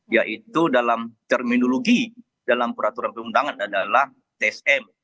yaitu dalam terminologi dalam peraturan perundangan adalah tsm